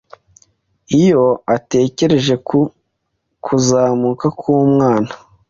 Iyo atekereje ku kuzamuka k'Umwana